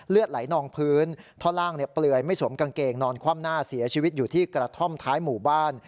เลือดไหลนองพื้นท่อนล่างเปลือยไม่สวมกางเกงนอนคว่ำหน้าเสียชีวิตอยู่ที่กระท่อมท้ายหมู่บ้าน